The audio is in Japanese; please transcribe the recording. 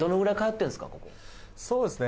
’そうですね